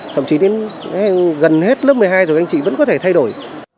thậm chí đến gần hết lớp một mươi hai rồi anh chị vẫn có thể thay đổi